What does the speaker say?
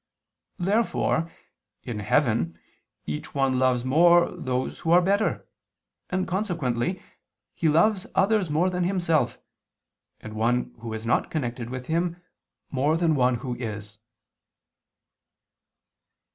Therefore in heaven each one loves more those who are better, and consequently he loves others more than himself, and one who is not connected with him, more than one who is.